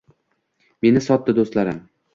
Meni sotdi do’stlarim.